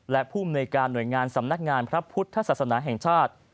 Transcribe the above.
และภูมิในการหน่วยงานสำนักงานพระพุทธศาสนาแห่งชาติ